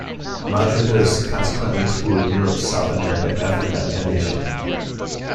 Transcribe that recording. Madredeus consequently toured Europe, South America, Africa and Asia.